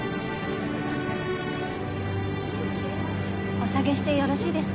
お下げしてよろしいですか？